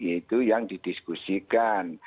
itu yang didiskusikan